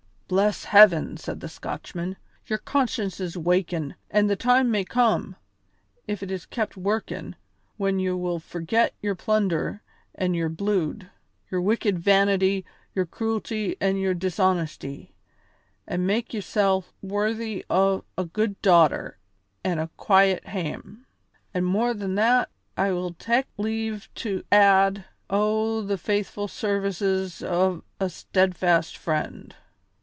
"Bless Heaven," said the Scotchman, "your conscience is wakin', an' the time may come, if it is kept workin', when ye will forget your plunder an' your blude, your wicked vanity, your cruelty an' your dishonesty, an' mak' yoursel' worthy o' a good daughter an' a quiet hame. An' more than that, I will tak' leave to add, o' the faithful services o' a steadfast friend."